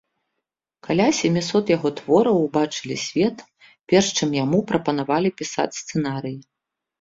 Каля сямісот яго твораў убачылі свет, перш чым яму прапанавалі пісаць сцэнарыі.